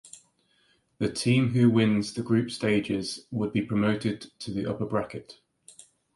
The team who wins the Group Stages would be promoted to the Upper Bracket.